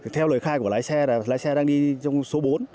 theo lời khai của lái xe lái xe đang đi trong số bốn